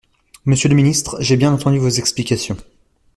Monsieur le ministre, j’ai bien entendu vos explications.